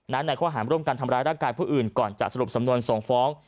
ในข้อหารร่วมกันทำร้ายร่างกายผู้อื่นก่อนจะสรุปสำนวนส่งฟ้อง